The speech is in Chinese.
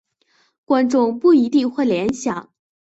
观众不一定会联想。